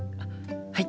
はい！